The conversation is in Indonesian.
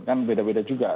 kan beda beda juga